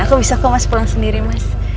aku bisa kok mas pulang sendiri mas